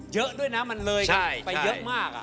เยอะด้วยนะมันเลยไปเยอะมาก